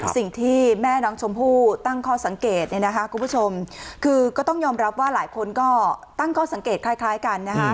สิ่งที่แม่น้องชมพู่ตั้งข้อสังเกตคุณผู้ชมคือก็ต้องยอมรับว่าหลายคนก็ตั้งข้อสังเกตคล้ายกันนะคะ